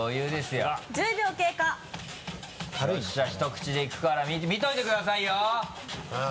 よっしゃ一口でいくから見ておいてくださいよ！